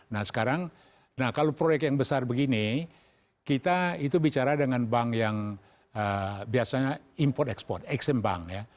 nah sekarang kalau proyek yang besar begini kita itu bicara dengan bank yang biasanya import ekspor exceme bank ya